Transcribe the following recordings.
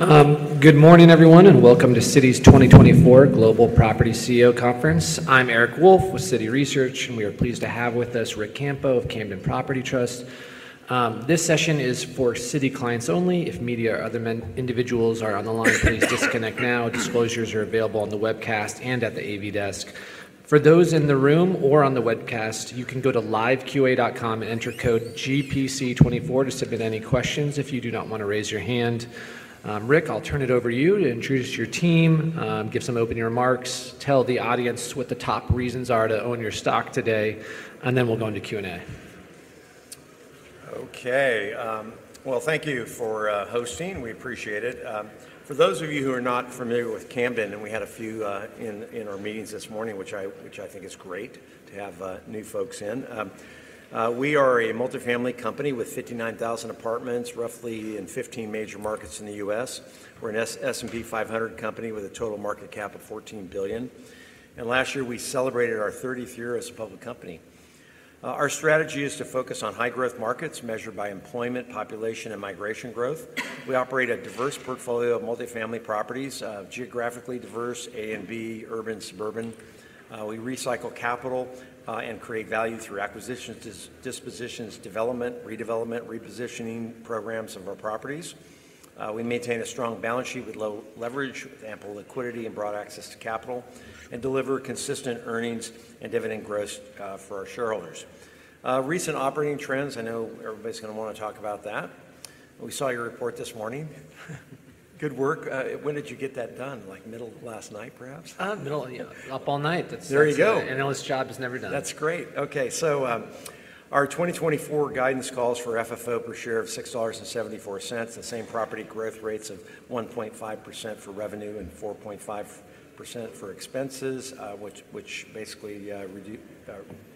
All right. Good morning, everyone, and welcome to Citi's 2024 Global Property CEO Conference. I'm Eric Wolfe with Citi Research, and we are pleased to have with us Ric Campo of Camden Property Trust. This session is for Citi clients only. If media or other individuals are on the line, please disconnect now. Disclosures are available on the webcast and at the AV desk. For those in the room or on the webcast, you can go to liveqa.com and enter code GPC 2024 to submit any questions, if you do not want to raise your hand. Ric, I'll turn it over to you to introduce your team, give some opening remarks, tell the audience what the top reasons are to own your stock today, and then we'll go into Q&A. Okay, well, thank you for hosting. We appreciate it. For those of you who are not familiar with Camden, and we had a few in our meetings this morning, which I think is great to have new folks in. We are a multifamily company with 59,000 apartments, roughly in 15 major markets in the U.S. We're an S&P 500 company with a total market cap of $14 billion, and last year, we celebrated our 30th year as a public company. Our strategy is to focus on high-growth markets measured by employment, population, and migration growth. We operate a diverse portfolio of multifamily properties, geographically diverse, A and B, urban, suburban. We recycle capital, and create value through acquisitions, dispositions, development, redevelopment, repositioning programs of our properties. We maintain a strong balance sheet with low leverage, with ample liquidity and broad access to capital, and deliver consistent earnings and dividend growth, for our shareholders. Recent operating trends, I know everybody's going to want to talk about that. We saw your report this morning. Good work. When did you get that done? Like, middle of last night, perhaps? Middle, yeah. Up all night. There you go. An analyst's job is never done. That's great. Okay, so, our 2024 guidance calls for FFO per share of $6.74, the same property growth rates of 1.5% for revenue and 4.5% for expenses, which basically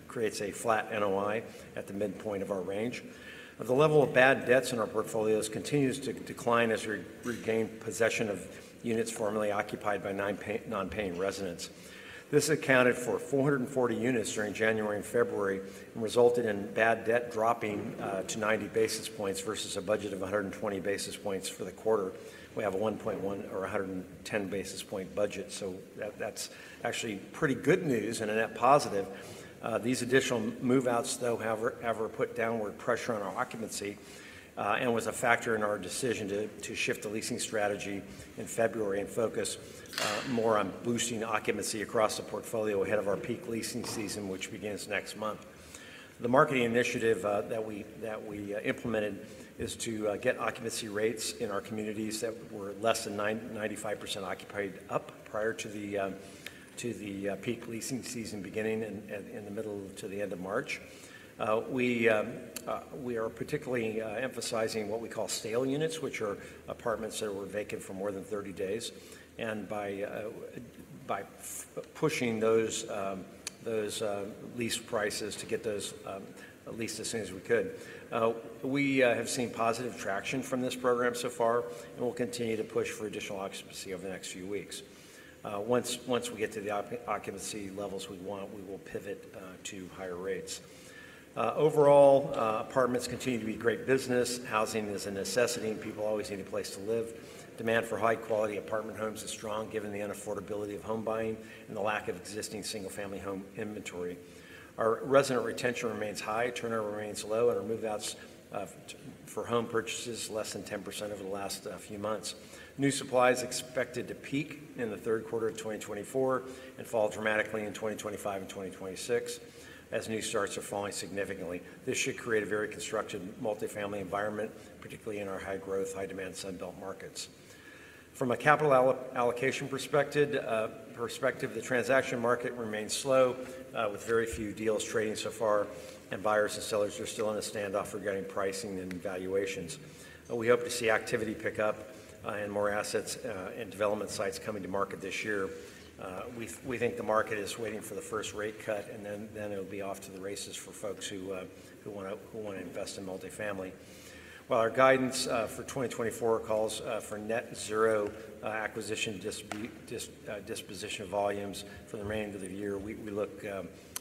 creates a flat NOI at the midpoint of our range. But the level of bad debts in our portfolios continues to decline as we regain possession of units formerly occupied by non-paying residents. This accounted for 440 units during January and February and resulted in bad debt dropping to 90 basis points versus a budget of 120 basis points for the quarter. We have a 1.1 or 110 basis point budget, so that's actually pretty good news and a net positive. These additional move-outs, though, however, put downward pressure on our occupancy, and was a factor in our decision to shift the leasing strategy in February and focus more on boosting occupancy across the portfolio ahead of our peak leasing season, which begins next month. The marketing initiative that we implemented is to get occupancy rates in our communities that were less than 95% occupied up prior to the peak leasing season beginning in the middle to the end of March. We are particularly emphasizing what we call stale units, which are apartments that were vacant for more than 30 days, and by pushing those lease prices to get those leased as soon as we could. We have seen positive traction from this program so far and will continue to push for additional occupancy over the next few weeks. Once we get to the occupancy levels we want, we will pivot to higher rates. Overall, apartments continue to be great business. Housing is a necessity. People always need a place to live. Demand for high-quality apartment homes is strong, given the unaffordability of home buying and the lack of existing single-family home inventory. Our resident retention remains high, turnover remains low, and our move-outs for home purchases less than 10% over the last few months. New supply is expected to peak in the third quarter of 2024 and fall dramatically in 2025 and 2026, as new starts are falling significantly. This should create a very constructive multifamily environment, particularly in our high-growth, high-demand Sun Belt markets. From a capital allocation perspective, the transaction market remains slow, with very few deals trading so far, and buyers and sellers are still in a standoff regarding pricing and valuations. We hope to see activity pick up, and more assets and development sites coming to market this year. We think the market is waiting for the first rate cut, and then it'll be off to the races for folks who want to invest in multifamily. While our guidance for 2024 calls for net zero acquisition disposition volumes for the remainder of the year, we look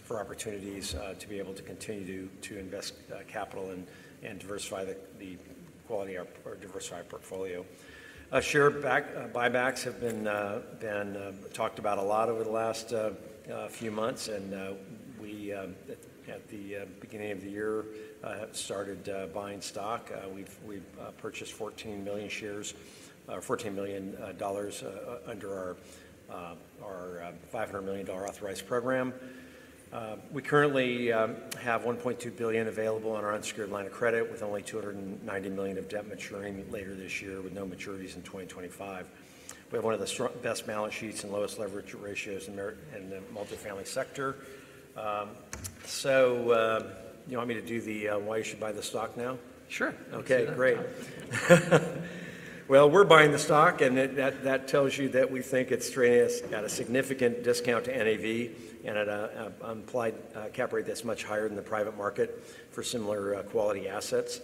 for opportunities to be able to continue to invest capital and diversify the quality of our, or diversify our portfolio. Share buybacks have been talked about a lot over the last few months, and we at the beginning of the year started buying stock. We've purchased 14 million shares, $14 million under our $500 million authorized program. We currently have $1.2 billion available on our unsecured line of credit, with only $290 million of debt maturing later this year, with no maturities in 2025. We have one of the best balance sheets and lowest leverage ratios in the multifamily sector. So, you want me to do the why you should buy the stock now? Sure. Okay, great. Well, we're buying the stock, and that tells you that we think it's trading at a significant discount to NAV and at an implied cap rate that's much higher than the private market for similar quality assets.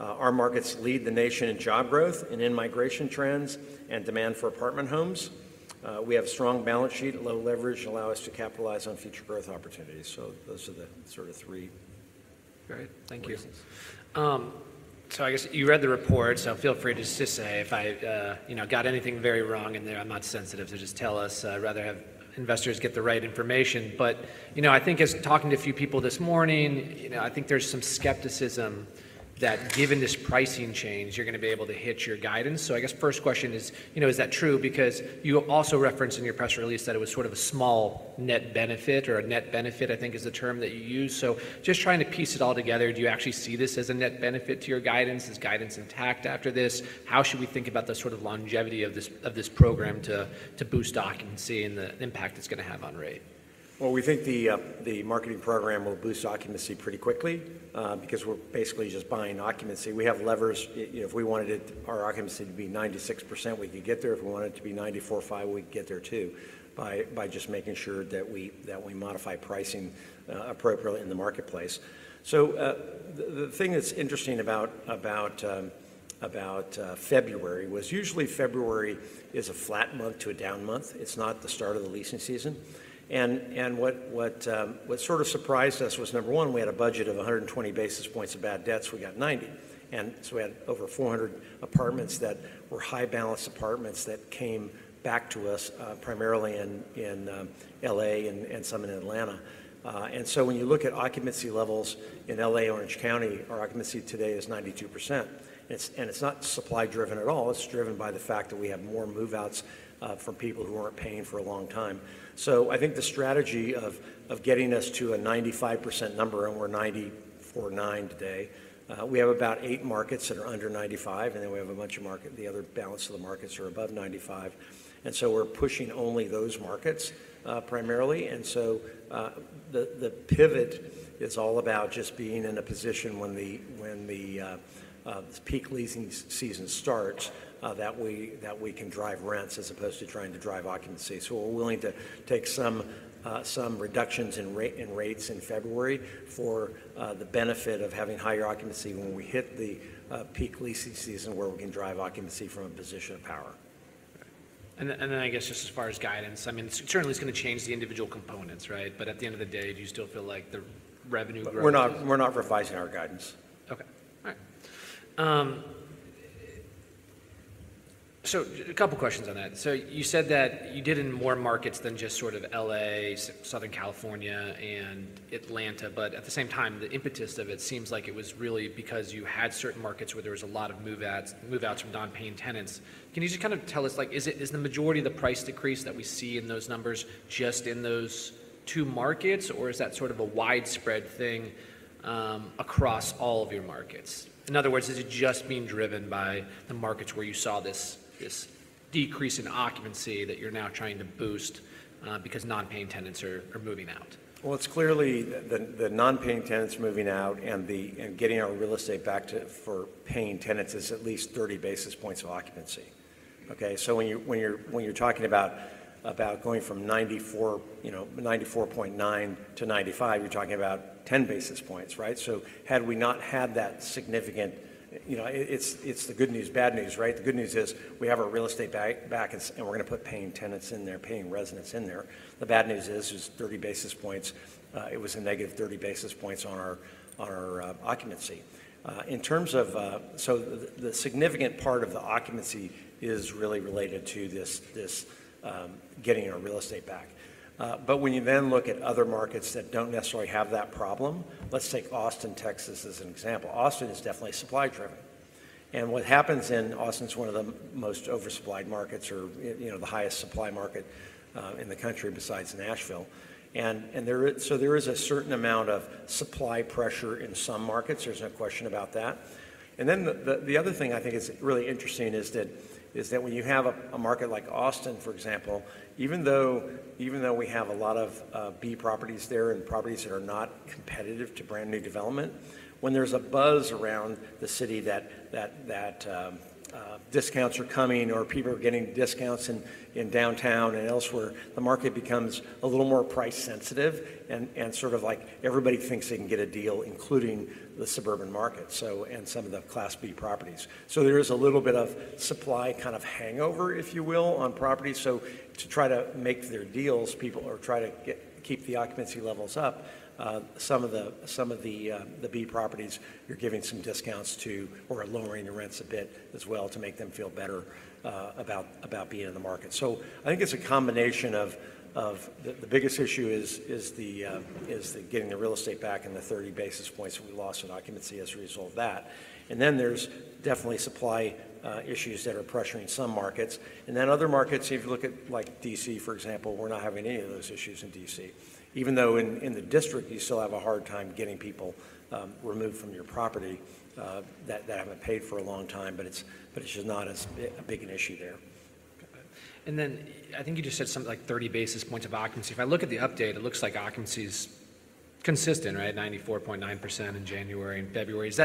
Our markets lead the nation in job growth and in migration trends and demand for apartment homes. We have a strong balance sheet and low leverage, allow us to capitalize on future growth opportunities. So those are the sort of three-... Great, thank you. So I guess you read the report, so feel free to just say if I, you know, got anything very wrong in there, I'm not sensitive, so just tell us. I'd rather have investors get the right information. But, you know, I think just talking to a few people this morning, you know, I think there's some skepticism that given this pricing change, you're going to be able to hit your guidance. So I guess first question is, you know, is that true? Because you also referenced in your press release that it was sort of a small net benefit or a net benefit, I think is the term that you used. So just trying to piece it all together, do you actually see this as a net benefit to your guidance? Is guidance intact after this? How should we think about the sort of longevity of this program to boost occupancy and the impact it's going to have on rate? Well, we think the marketing program will boost occupancy pretty quickly, because we're basically just buying occupancy. We have levers, if we wanted it, our occupancy to be 96%, we could get there. If we want it to be 94-95, we'd get there, too, by just making sure that we modify pricing appropriately in the marketplace. So, the thing that's interesting about February was usually February is a flat month to a down month. It's not the start of the leasing season. And what sort of surprised us was, number one, we had a budget of 100 basis points of bad debts. We got 90, and so we had over 400 apartments that were high balance apartments that came back to us, primarily in L.A. and some in Atlanta. And so when you look at occupancy levels in L.A., Orange County, our occupancy today is 92%. And it's not supply driven at all, it's driven by the fact that we have more move-outs from people who aren't paying for a long time. So I think the strategy of getting us to a 95% number, and we're 94.9% today, we have about 8 markets that are under 95, and then we have a bunch of markets, the other balance of the markets are above 95, and so we're pushing only those markets, primarily. And so, the pivot is all about just being in a position when the peak leasing season starts, that we can drive rents as opposed to trying to drive occupancy. So we're willing to take some reductions in rates in February for the benefit of having higher occupancy when we hit the peak leasing season, where we can drive occupancy from a position of power. And then I guess just as far as guidance, I mean, certainly it's going to change the individual components, right? But at the end of the day, do you still feel like the revenue growth- We're not, we're not revising our guidance. Okay. All right. So a couple questions on that. So you said that you did it in more markets than just sort of L.A., Southern California, and Atlanta, but at the same time, the impetus of it seems like it was really because you had certain markets where there was a lot of move outs, move outs from non-paying tenants. Can you just kind of tell us, like, is it—is the majority of the price decrease that we see in those numbers just in those two markets, or is that sort of a widespread thing across all of your markets? In other words, is it just being driven by the markets where you saw this, this decrease in occupancy that you're now trying to boost because non-paying tenants are moving out? Well, it's clearly the non-paying tenants moving out and getting our real estate back for paying tenants is at least 30 basis points of occupancy. Okay, so when you're talking about going from 94, you know, 94.9-95, you're talking about 10 basis points, right? So had we not had that significant, you know, it's the good news, bad news, right? The good news is we have our real estate back, and we're going to put paying tenants in there, paying residents in there. The bad news is 30 basis points. It was a negative 30 basis points on our occupancy. So the significant part of the occupancy is really related to this getting our real estate back. But when you then look at other markets that don't necessarily have that problem, let's take Austin, Texas, as an example. Austin is definitely supply driven, and what happens in Austin is one of the most oversupplied markets or, you know, the highest supply market, in the country besides Nashville. So there is a certain amount of supply pressure in some markets, there's no question about that. And then the other thing I think is really interesting is that when you have a market like Austin, for example, even though we have a lot of B properties there and properties that are not competitive to brand-new development, when there's a buzz around the city that discounts are coming or people are getting discounts in downtown and elsewhere, the market becomes a little more price sensitive and sort of like everybody thinks they can get a deal, including the suburban market, so and some of the Class B properties. So there is a little bit of supply kind of hangover, if you will, on properties. So to try to make their deals, people are trying to get keep the occupancy levels up. Some of the, some of the B properties, you're giving some discounts to or lowering the rents a bit as well to make them feel better about being in the market. So I think it's a combination of... The biggest issue is the getting the real estate back and the 30 basis points that we lost in occupancy as a result of that. And then, there's definitely supply issues that are pressuring some markets. And then other markets, if you look at, like D.C., for example, we're not having any of those issues in D.C. Even though in the district, you still have a hard time getting people removed from your property that haven't paid for a long time, but it's just not as big an issue there. Okay. And then I think you just said something like 30 basis points of occupancy. If I look at the update, it looks like occupancy is consistent, right? 94.9% in January and February. Is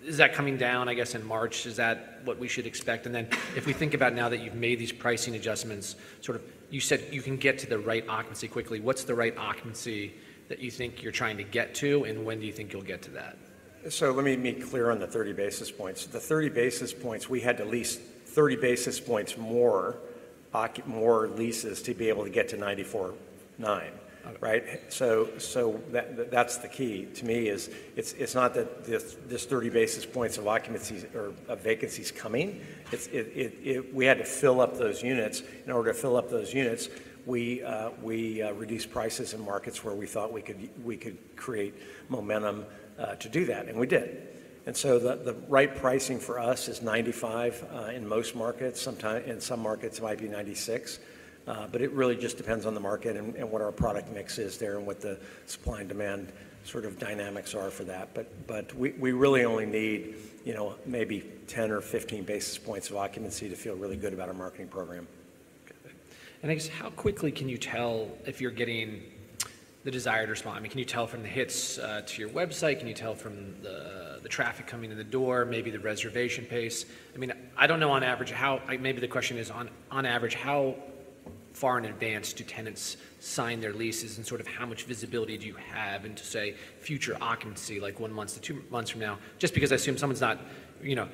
that, is that coming down, I guess, in March? Is that what we should expect? And then, if we think about now that you've made these pricing adjustments, sort of, you said you can get to the right occupancy quickly. What's the right occupancy that you think you're trying to get to, and when do you think you'll get to that?... So, let me be clear on the 30 basis points. The 30 basis points, we had to lease 30 basis points more more leases to be able to get to 94.9. Right? So, so that, that's the key to me is, it's, it's not that there's this 30 basis points of occupancies or of vacancy is coming. It's, it, it, we had to fill up those units. In order to fill up those units, we reduced prices in markets where we thought we could create momentum to do that, and we did. And so, the right pricing for us is 95 in most markets, sometimes, in some markets it might be 96. But it really just depends on the market and what our product mix is there, and what the supply and demand sort of dynamics are for that. But we really only need, you know, maybe 10 or 15 basis points of occupancy to feel really good about our marketing program. Okay. I guess, how quickly can you tell if you're getting the desired response? I mean, can you tell from the hits to your website? Can you tell from the traffic coming in the door, maybe the reservation pace? I mean, I don't know on average. Like, maybe the question is: on average, how far in advance do tenants sign their leases, and sort of how much visibility do you have into, say, future occupancy, like one month to twomonths from now? Just because I assume someone's not, you know,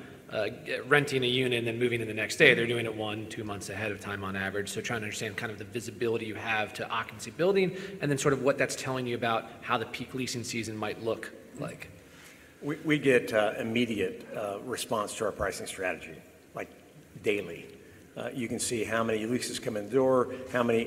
renting a unit and then moving in the next day. They're doing it one, two months ahead of time on average. So, trying to understand kind of the visibility you have to occupancy building, and then sort of what that's telling you about how the Peak Leasing Season might look like. We get immediate response to our pricing strategy, like, daily. You can see how many leases come in the door, how many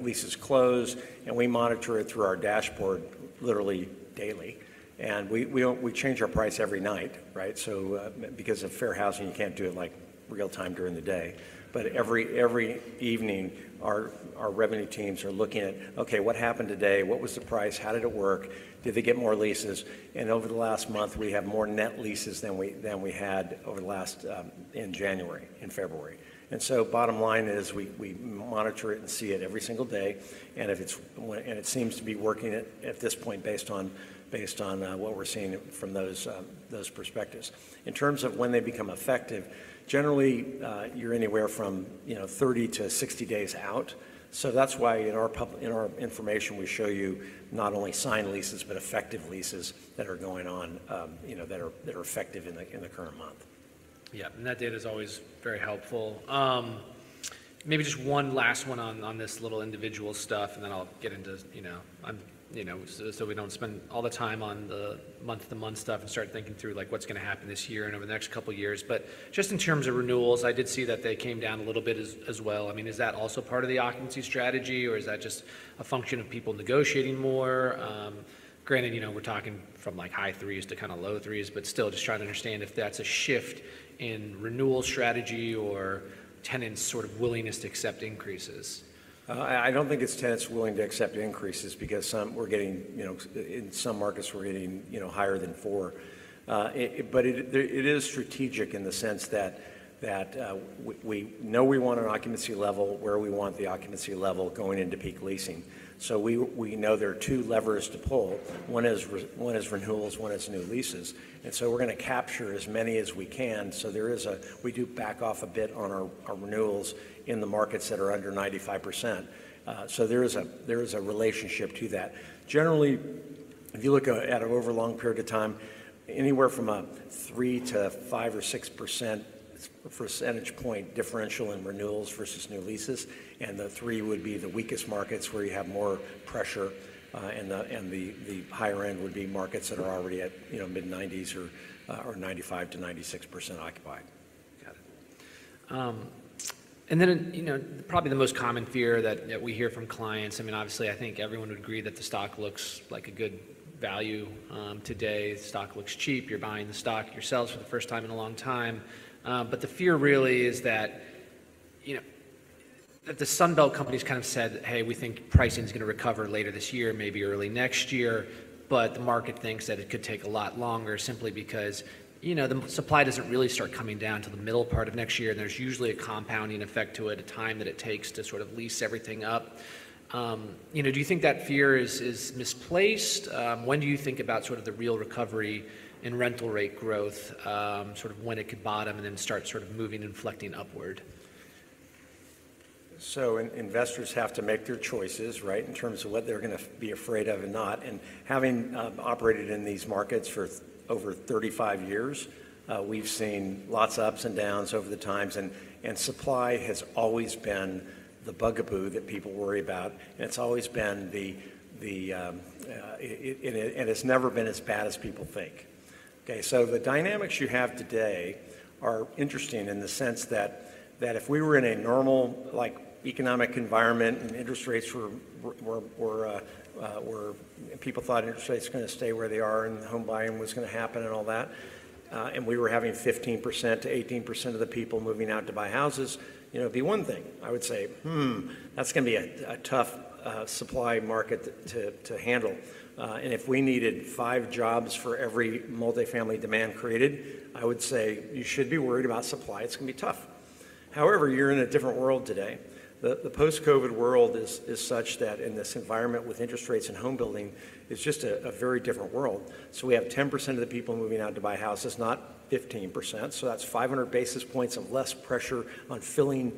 leases close, and we monitor it through our dashboard literally daily. And we don't, we change our price every night, right? So, because of fair housing, you can't do it, like, real time during the day. But every evening, our revenue teams are looking at, "Okay, what happened today? What was the price? How did it work? Did they get more leases?" And over the last month, we have more net leases than we had in January and February. And so, bottom line is we monitor it and see it every single day, and if it's—and it seems to be working at this point, based on what we're seeing from those perspectives. In terms of when they become effective, generally, you're anywhere from, you know, 30-60 days out. So that's why in our publ—in our information, we show you not only signed leases, but effective leases that are going on, you know, that are effective in the current month. Yeah, and that data is always very helpful. Maybe just one last one on this little individual stuff, and then I'll get into, you know, you know, so we don't spend all the time on the month-to-month stuff and start thinking through, like, what's gonna happen this year and over the next couple of years. But just in terms of renewals, I did see that they came down a little bit as well. I mean, is that also part of the occupancy strategy, or is that just a function of people negotiating more? Granted, you know, we're talking from, like, high threes to kind of low threes, but still just trying to understand if that's a shift in renewal strategy or tenants' sort of willingness to accept increases. I don't think it's tenants willing to accept increases because some we're getting, you know, in some markets, we're getting, you know, higher than four. But it is strategic in the sense that we know we want an occupancy level, where we want the occupancy level going into peak leasing. So we know there are two levers to pull. One is renewals, one is new leases, and so we're gonna capture as many as we can. So there is a we do back off a bit on our renewals in the markets that are under 95%. So there is a relationship to that. Generally, if you look at over a long period of time, anywhere from a 3-5 or 6 percentage point differential in renewals versus new leases, and the 3 would be the weakest markets where you have more pressure, and the higher end would be markets that are already at, you know, mid-90s or 95%-96% occupied. Got it. And then, you know, probably the most common fear that we hear from clients, I mean, obviously, I think everyone would agree that the stock looks like a good value, today. The stock looks cheap. You're buying the stock yourselves for the first time in a long time. But the fear really is that, you know, that the Sun Belt companies kind of said: "Hey, we think pricing is gonna recover later this year, maybe early next year." But the market thinks that it could take a lot longer simply because, you know, the supply doesn't really start coming down to the middle part of next year, and there's usually a compounding effect to it, the time that it takes to sort of lease everything up. You know, do you think that fear is misplaced? When do you think about sort of the real recovery in rental rate growth, sort of when it could bottom and then start sort of moving and inflecting upward? So investors have to make their choices, right? In terms of what they're gonna be afraid of and not. And having operated in these markets for over 35 years, we've seen lots of ups and downs over the times, and supply has always been the bugaboo that people worry about, and it's always been the it, and it's never been as bad as people think. Okay, so the dynamics you have today are interesting in the sense that if we were in a normal, like, economic environment and interest rates were... People thought interest rates were gonna stay where they are, and home buying was gonna happen, and all that, and we were having 15%-18% of the people moving out to buy houses, you know, it'd be one thing. I would say, "Hmm, that's gonna be a tough supply market to handle." And if we needed five jobs for every multifamily demand created, I would say, "You should be worried about supply. It's gonna be tough." However, you're in a different world today. The post-COVID world is such that in this environment with interest rates and homebuilding, it's just a very different world. So we have 10% of the people moving out to buy houses, not 15%, so that's 500 basis points of less pressure on filling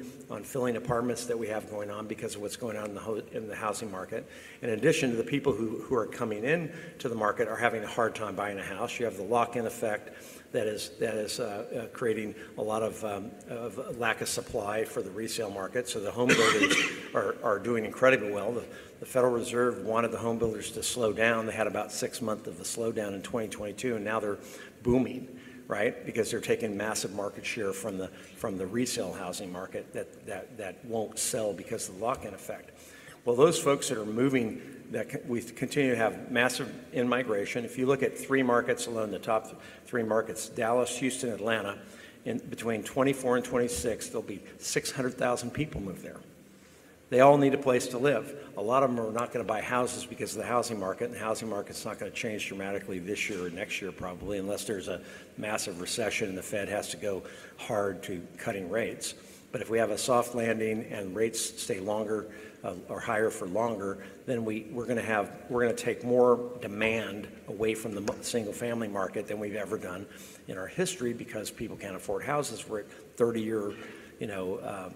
apartments that we have going on because of what's going on in the housing market... In addition to the people who are coming in to the market are having a hard time buying a house. You have the lock-in effect that is creating a lot of lack of supply for the resale market. So the home builders are doing incredibly well. The Federal Reserve wanted the home builders to slow down. They had about six months of the slowdown in 2022, and now they're booming, right? Because they're taking massive market share from the resale housing market that won't sell because of the lock-in effect. Well, those folks that are moving, we continue to have massive in-migration. If you look at three markets alone, the top three markets, Dallas, Houston, Atlanta, in between 2024 and 2026, there'll be 600,000 people move there. They all need a place to live. A lot of them are not going to buy houses because of the housing market, and the housing market's not going to change dramatically this year or next year, probably, unless there's a massive recession, and the Fed has to go hard to cutting rates. But if we have a soft landing and rates stay longer, or higher for longer, then we're going to take more demand away from the single-family market than we've ever done in our history because people can't afford houses. We're at a 30-year, you know,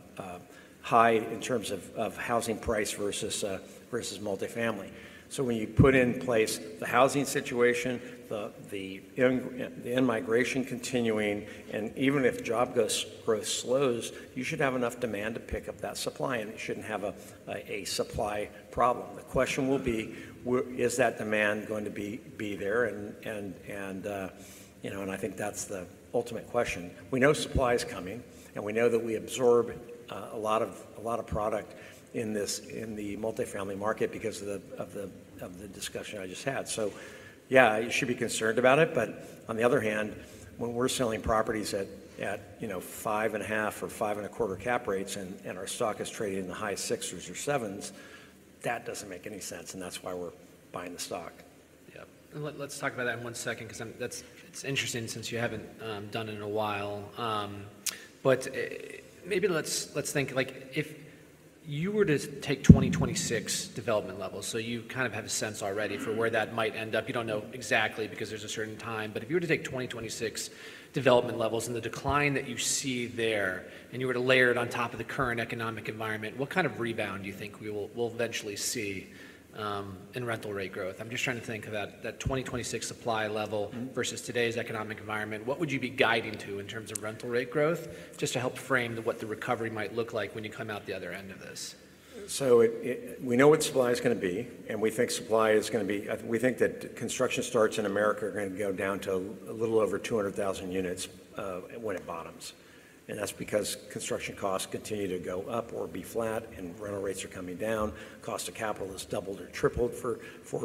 high in terms of housing price versus multifamily. So when you put in place the housing situation, the in-migration continuing, and even if job growth slows, you should have enough demand to pick up that supply, and you shouldn't have a supply problem. The question will be: is that demand going to be there? And you know, and I think that's the ultimate question. We know supply is coming, and we know that we absorb a lot of product in the multifamily market because of the discussion I just had. So yeah, you should be concerned about it, but on the other hand, when we're selling properties at, you know, 5.5 or 5.25 cap rates, and our stock is trading in the high 6s or 7s, that doesn't make any sense, and that's why we're buying the stock. Yeah. And let's talk about that in one second, 'cause that's, it's interesting since you haven't done it in a while. But maybe let's think, like, if you were to take 2026 development levels, so you kind of have a sense already for where that might end up. You don't know exactly because there's a certain time, but if you were to take 2026 development levels and the decline that you see there, and you were to layer it on top of the current economic environment, what kind of rebound do you think we will, we'll eventually see in rental rate growth? I'm just trying to think about that 2026 supply level- Mm-hmm. -versus today's economic environment. What would you be guiding to in terms of rental rate growth, just to help frame what the recovery might look like when you come out the other end of this? So we know what supply is going to be, and we think supply is going to be. We think that construction starts in America are going to go down to a little over 200,000 units when it bottoms. And that's because construction costs continue to go up or be flat, and rental rates are coming down. Cost of capital has doubled or tripled for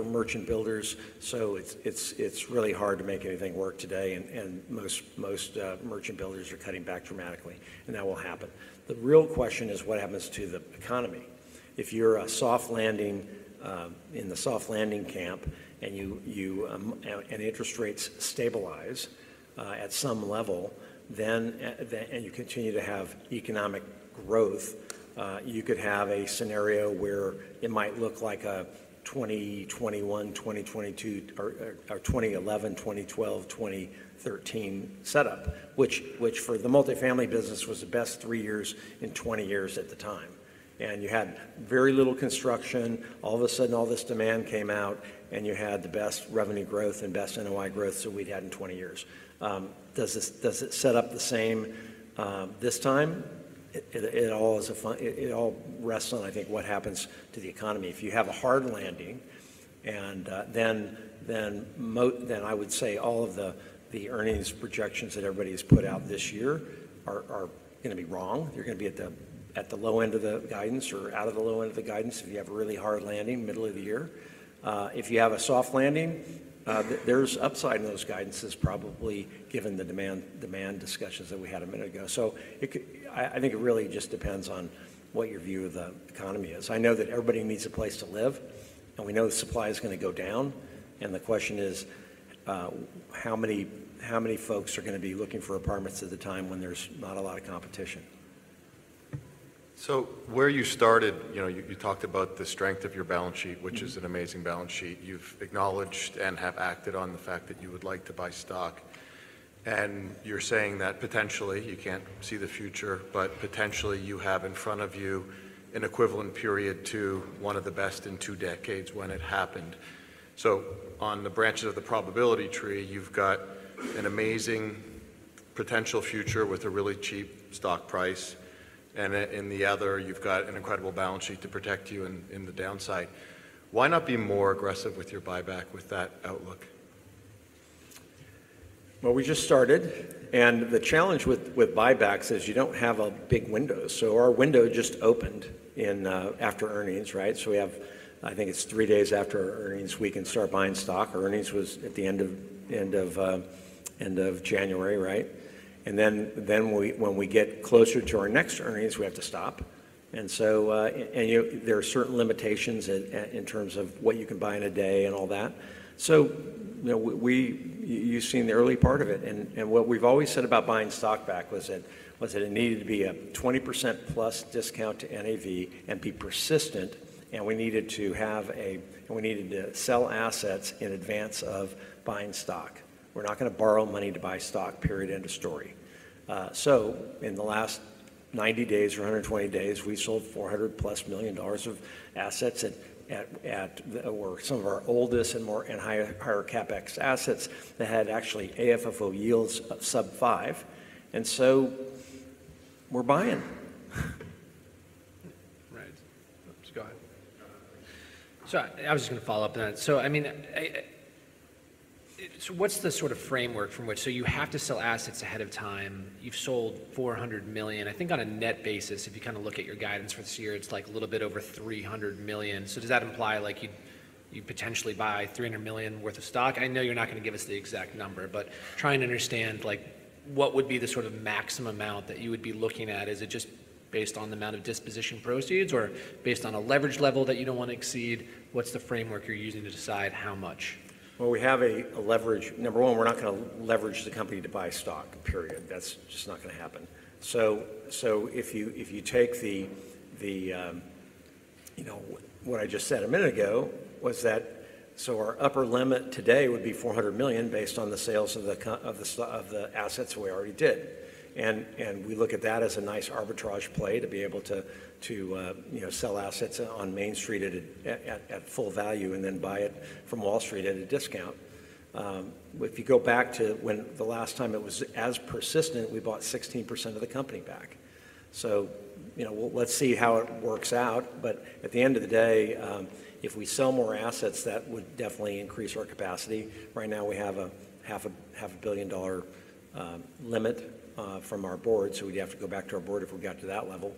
merchant builders. So it's really hard to make anything work today, and most merchant builders are cutting back dramatically, and that will happen. The real question is, what happens to the economy? If you're in the soft landing camp, and interest rates stabilize at some level, then you continue to have economic growth, you could have a scenario where it might look like a 2021, 2022 or 2011, 2012, 2013 setup, which for the multifamily business was the best three years in 20 years at the time. You had very little construction. All of a sudden, all this demand came out, and you had the best revenue growth and best NOI growth that we'd had in 20 years. Does this set up the same this time? It all rests on, I think, what happens to the economy. If you have a hard landing, and then I would say all of the earnings projections that everybody has put out this year are going to be wrong. They're going to be at the low end of the guidance or out of the low end of the guidance if you have a really hard landing, middle of the year. If you have a soft landing, there's upside in those guidances probably, given the demand discussions that we had a minute ago. So it could... I think it really just depends on what your view of the economy is. I know that everybody needs a place to live, and we know the supply is going to go down, and the question is, how many, how many folks are going to be looking for apartments at the time when there's not a lot of competition? So where you started, you know, you talked about the strength of your balance sheet. Mm. Which is an amazing balance sheet. You've acknowledged and have acted on the fact that you would like to buy stock, and you're saying that potentially, you can't see the future, but potentially, you have in front of you an equivalent period to one of the best in two decades when it happened. So on the branches of the probability tree, you've got an amazing potential future with a really cheap stock price, and in the other, you've got an incredible balance sheet to protect you in the downside. Why not be more aggressive with your buyback with that outlook? Well, we just started, and the challenge with buybacks is you don't have a big window. So our window just opened in after earnings, right? So we have, I think it's three days after our earnings, we can start buying stock. Our earnings was at the end of January, right? And then, when we get closer to our next earnings, we have to stop. And so, and, you know, there are certain limitations in terms of what you can buy in a day and all that. So, you know, we- you've seen the early part of it, and what we've always said about buying stock back was that it needed to be a 20%+ discount to NAV and be persistent, and we needed to sell assets in advance of buying stock. We're not going to borrow money to buy stock, period, end of story. So in the last 90 days or 120 days, we sold $400+ million of assets at or some of our oldest and higher CapEx assets that had actually AFFO yields of sub-5%. And so we're buying. Right. Just go ahead. So I was just gonna follow up on that. So I mean, so what's the sort of framework from which? So you have to sell assets ahead of time. You've sold $400 million. I think on a net basis, if you kind of look at your guidance for this year, it's like a little bit over $300 million. So does that imply, like, you potentially buy $300 million worth of stock? I know you're not going to give us the exact number, but trying to understand, like, what would be the sort of maximum amount that you would be looking at? Is it just based on the amount of disposition proceeds or based on a leverage level that you don't want to exceed? What's the framework you're using to decide how much? Well, we have leverage. Number one, we're not going to leverage the company to buy stock, period. That's just not going to happen. So if you take the you know what I just said a minute ago was that so our upper limit today would be $400 million based on the sales of the assets we already did. And we look at that as a nice arbitrage play to be able to you know sell assets on Main Street at a full value and then buy it from Wall Street at a discount. If you go back to when the last time it was as persistent, we bought 16% of the company back. So you know let's see how it works out. But at the end of the day, if we sell more assets, that would definitely increase our capacity. Right now, we have a $500 million limit from our board, so we'd have to go back to our board if we got to that level.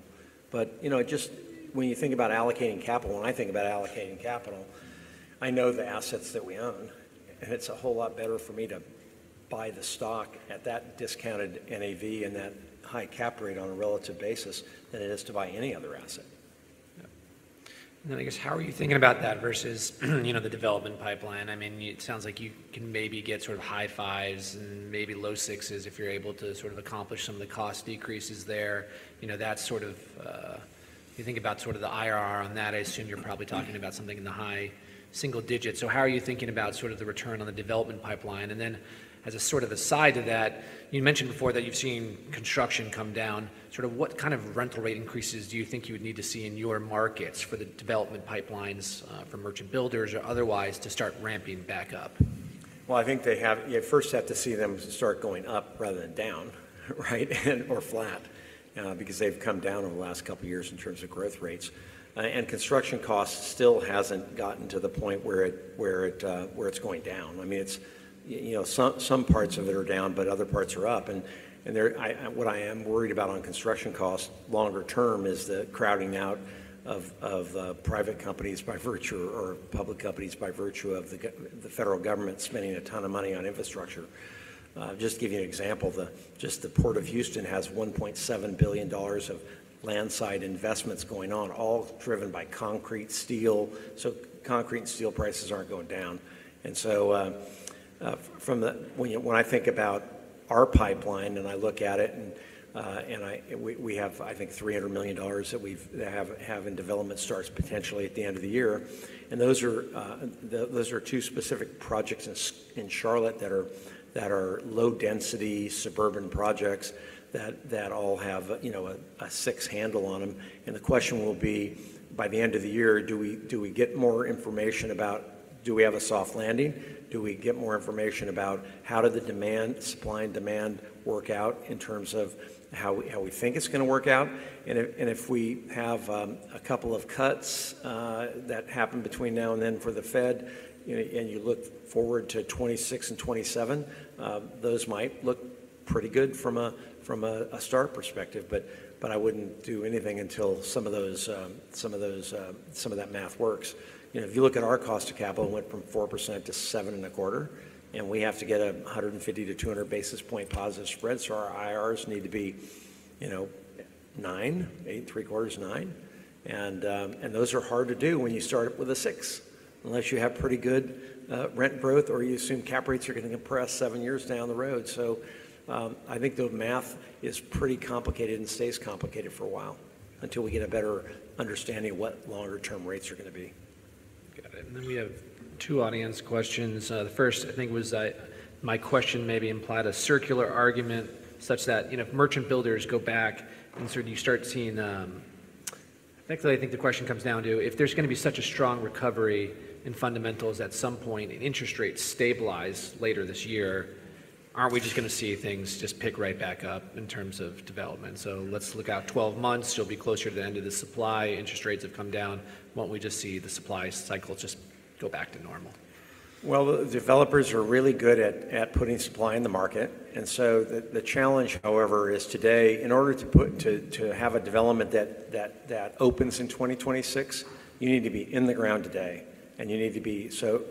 But, you know, just when you think about allocating capital, when I think about allocating capital, I know the assets that we own, and it's a whole lot better for me to buy the stock at that discounted NAV and that high Cap Rate on a relative basis than it is to buy any other asset. Yeah. And then, I guess, how are you thinking about that versus, you know, the development pipeline? I mean, it sounds like you can maybe get sort of high fives and maybe low sixes if you're able to sort of accomplish some of the cost decreases there. You know, that's sort of... If you think about sort of the IRR on that, I assume you're probably talking about something in the high single digits. So how are you thinking about sort of the return on the development pipeline? And then, as a sort of a side to that, you mentioned before that you've seen construction come down. Sort of what kind of rental rate increases do you think you would need to see in your markets for the development pipelines, for merchant builders or otherwise, to start ramping back up? Well, I think they have. You first have to see them start going up rather than down, right? And or flat, because they've come down over the last couple of years in terms of growth rates. And construction cost still hasn't gotten to the point where it's going down. I mean, it's, you know, some parts of it are down, but other parts are up. And there, what I am worried about on construction costs longer term is the crowding out of private companies or public companies by virtue of the federal government spending a ton of money on infrastructure. Just to give you an example, just the Port of Houston has $1.7 billion of landside investments going on, all driven by concrete, steel. So concrete and steel prices aren't going down. When I think about our pipeline and I look at it, we have, I think, $300 million that we have in development starts potentially at the end of the year. And those are two specific projects in Charlotte that are low-density suburban projects that all have, you know, a six handle on them. And the question will be, by the end of the year, do we get more information about do we have a soft landing? Do we get more information about how supply and demand work out in terms of how we think it's going to work out? And if, and if we have a couple of cuts that happen between now and then for the Fed, you know, and you look forward to 2026 and 2027, those might look pretty good from a start perspective. But I wouldn't do anything until some of that math works. You know, if you look at our cost of capital, it went from 4%-7.25%, and we have to get 150-200 basis point positive spread. So our IRRs need to be, you know, 9, 8.75, 9. And those are hard to do when you start with a six, unless you have pretty good rent growth or you assume cap rates are going to compress seven years down the road. I think the math is pretty complicated and stays complicated for a while, until we get a better understanding of what longer-term rates are going to be. Got it. And then we have two audience questions. The first, I think, was that my question maybe implied a circular argument such that, you know, if merchant builders go back and sort of you start seeing... Actually, I think the question comes down to, if there's going to be such a strong recovery in fundamentals at some point, and interest rates stabilize later this year, aren't we just going to see things just pick right back up in terms of development? So let's look out 12 months, you'll be closer to the end of the supply. Interest rates have come down. Won't we just see the supply cycle just go back to normal? Well, the developers are really good at putting supply in the market. And so the challenge, however, is today, in order to have a development that opens in 2026, you need to be in the ground today, and you need to be... So,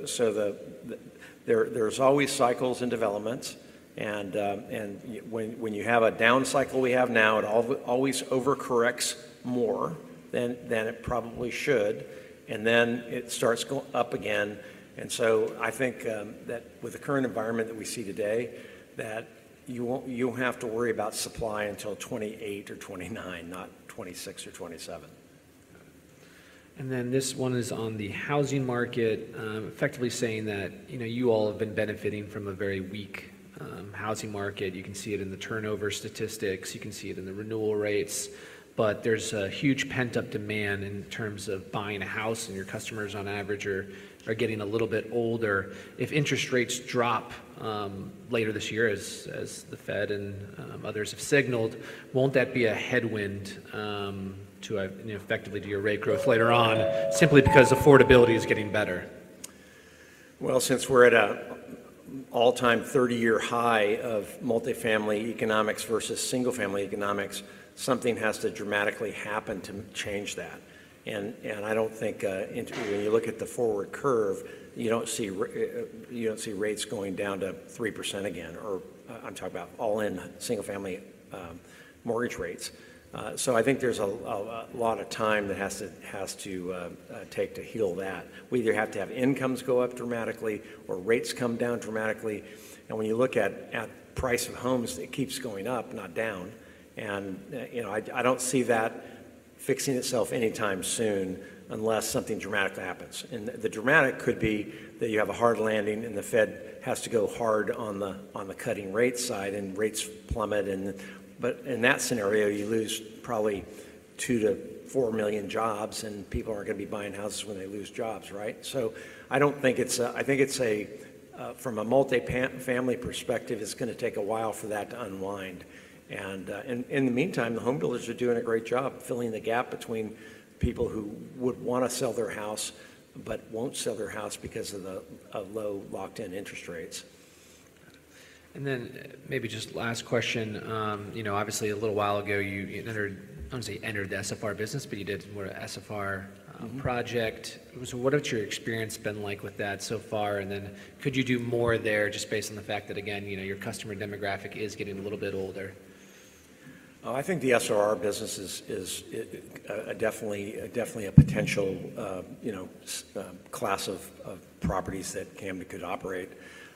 there's always cycles and developments, and when you have a down cycle we have now, it always overcorrects more than it probably should, and then it starts go up again. And so I think that with the current environment that we see today, that you won't have to worry about supply until 2028 or 2029, not 2026 or 2027.... Then this one is on the housing market, effectively saying that, you know, you all have been benefiting from a very weak housing market. You can see it in the turnover statistics, you can see it in the renewal rates, but there's a huge pent-up demand in terms of buying a house, and your customers, on average, are getting a little bit older. If interest rates drop later this year, as the Fed and others have signaled, won't that be a headwind to effectively to your rate growth later on, simply because affordability is getting better? Well, since we're at an all-time 30-year high of multifamily economics versus single-family economics, something has to dramatically happen to change that. And I don't think when you look at the forward curve, you don't see rates going down to 3% again, or I'm talking about all-in single-family mortgage rates. So I think there's a lot of time that has to take to heal that. We either have to have incomes go up dramatically or rates come down dramatically. And when you look at the price of homes, it keeps going up, not down. And you know, I don't see that fixing itself anytime soon, unless something dramatic happens. And the dramatic could be that you have a hard landing, and the Fed has to go hard on the cutting rate side, and rates plummet, and... But in that scenario, you lose probably 2-4 million jobs, and people aren't going to be buying houses when they lose jobs, right? So I don't think it's—I think it's a, from a multifamily perspective, it's going to take a while for that to unwind. And in the meantime, the home builders are doing a great job filling the gap between people who would want to sell their house but won't sell their house because of the low locked-in interest rates. And then maybe just last question. You know, obviously, a little while ago, you entered, I wouldn't say you entered the SFR business, but you did more of SFR- Mm-hmm. project. So what has your experience been like with that so far? And then could you do more there, just based on the fact that, again, you know, your customer demographic is getting a little bit older? I think the SFR business is definitely a potential, you know, class of properties that Camden could operate.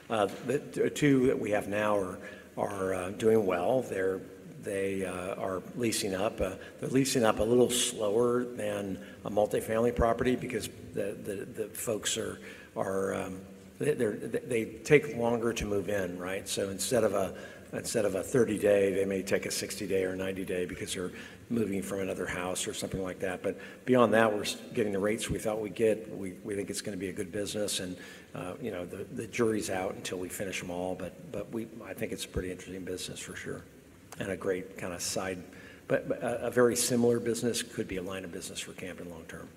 The two that we have now are doing well. They're leasing up... They're leasing up a little slower than a multifamily property because the folks take longer to move in, right? So instead of a 30-day, they may take a 60-day or 90-day because they're moving from another house or something like that. But beyond that, we're getting the rates we thought we'd get. We think it's going to be a good business and, you know, the jury's out until we finish them all. But I think it's a pretty interesting business for sure, and a great kind of side... But a very similar business could be a line of business for Camden long term.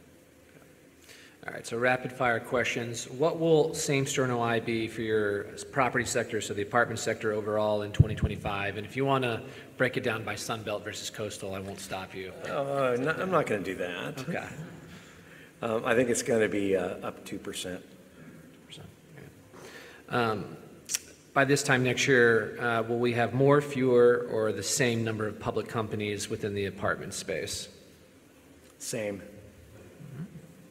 All right, so rapid-fire questions. What will same store NOI be for your property sector, so the apartment sector overall in 2025? And if you want to break it down by Sun Belt versus Coastal, I won't stop you. I'm not going to do that. Okay. I think it's going to be up 2%. 2%. Okay. By this time next year, will we have more, fewer, or the same number of public companies within the apartment space? Same.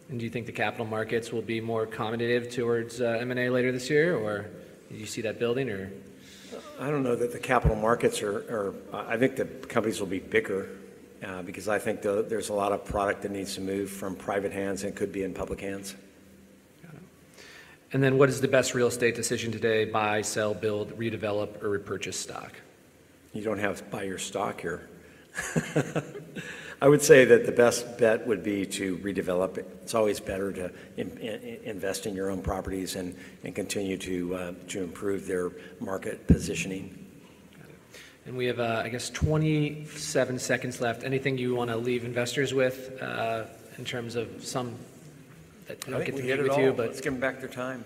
Mm-hmm. And do you think the capital markets will be more accommodative towards M&A later this year, or do you see that building or? I don't know that the capital markets are. I think the companies will be bigger, because I think there's a lot of product that needs to move from private hands and could be in public hands. Got it. Then, what is the best real estate decision today? Buy, sell, build, redevelop, or repurchase stock. You don't have to buy your stock here. I would say that the best bet would be to redevelop. It's always better to invest in your own properties and continue to improve their market positioning. Got it. We have, I guess, 27 seconds left. Anything you want to leave investors with, in terms of some that don't get the opportunity to you, but- Let's give them back their time.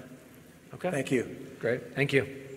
Okay. Thank you. Great. Thank you.